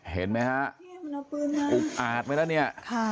เห็นไหมครับอุ๊กอาดไหมแล้วเนี่ย